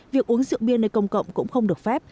việc uống rượu bia nơi công cộng cũng không được phép